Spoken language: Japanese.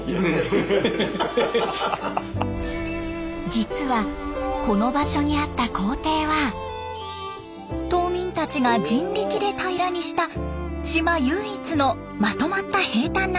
実はこの場所にあった校庭は島民たちが人力で平らにした島唯一のまとまった平たんな土地。